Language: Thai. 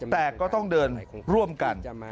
แต่ก็ต้องเดินร่วมกัน